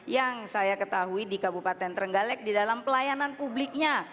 yang saya ketahui di kabupaten trenggalek di dalam pelayanan publiknya